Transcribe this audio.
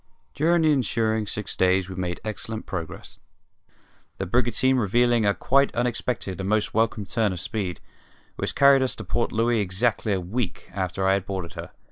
During the ensuing six days we made excellent progress, the brigantine revealing a quite unexpected and most welcome turn of speed, which carried us to Port Louis exactly a week after I had boarded her.